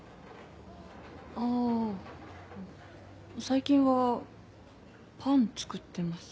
最近はパン作ってます。